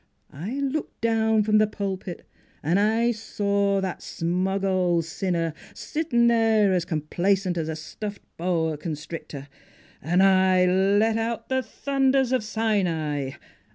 I looked down from the pulpit an' I saw that smug old sinner sitting there as complacent as a stuffed boa constrictor an' I let out the thunders of Sinai.